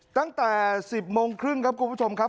ตั้งแต่๑๐โมงครึ่งครับคุณผู้ชมครับ